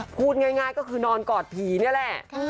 พูดง่ายก็คือนอนกอดผีนี่แหละ